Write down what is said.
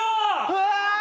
うわ！